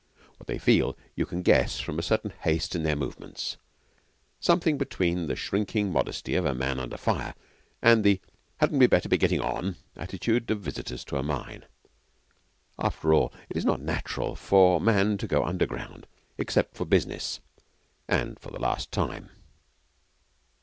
What they feel you can guess from a certain haste in their movements something between the shrinking modesty of a man under fire and the Hadn't we better be getting on attitude of visitors to a mine. After all, it is not natural for man to go underground except for business or for the last time.